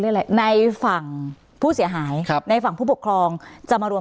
อะไรในฝั่งผู้เสียหายครับในฝั่งผู้ปกครองจะมารวม